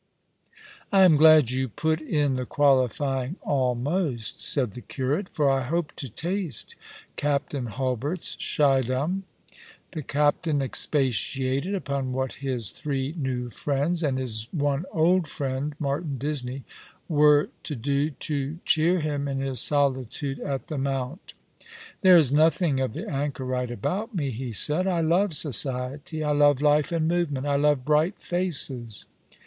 " I am glad you put in the qualifying ' almost/ " said the curate, " for I hope to taste Captain Hulbert's Schiedam." The captain expatiated upon what his three new friends — and his one old friend, Martin Disney — were to do to cheer him in his solitude at the Mount. " There is nothing of the anchorite about me," he said. "I love society, I love life and movement, I love bright faces.''